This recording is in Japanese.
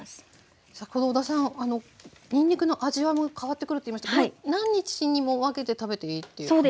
先ほど小田さんにんにくの味わいも変わってくると言いましたけど何日にも分けて食べていいっていう感じですか？